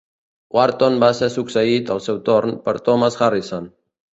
Wharton va ser succeït, al seu torn, per Thomas Harrison.